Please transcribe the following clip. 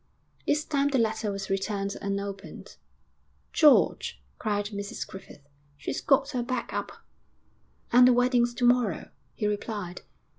_' This time the letter was returned unopened. 'George,' cried Mrs Griffith, 'she's got her back up.' 'And the wedding's to morrow,' he replied.